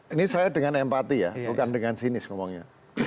ini saya dengan empati ya bukan dengan sinis ngomongnya